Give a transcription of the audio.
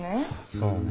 そうね。